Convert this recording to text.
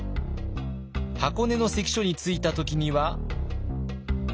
箱根の関所に着いた時には。